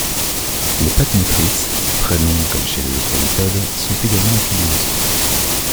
Les pattes motrices, très longues comme chez les autres lithodes, sont également épineuses.